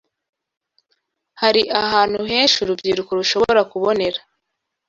Hari ahantu henshi urubyiruko rushobora kubonera